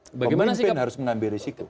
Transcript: pemimpin harus mengambil risiko